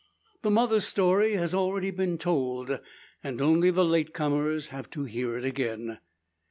The mother's story has been already told, and only the late comers have to hear it again.